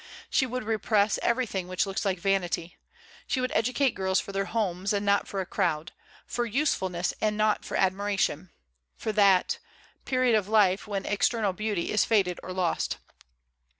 She would repress everything which looks like vanity. She would educate girls for their homes, and not for a crowd; for usefulness, and not for admiration; for that; period of life when external beauty is faded or lost.